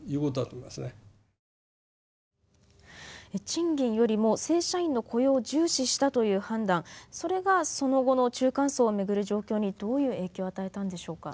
賃金よりも正社員の雇用を重視したという判断それがその後の中間層を巡る状況にどういう影響を与えたんでしょうか。